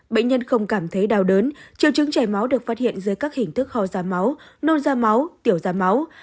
bệnh nhân không cảm thấy đau đớn triệu chứng chảy máu được phát hiện dưới các hình thức kho da máu nôn da máu tiểu da máu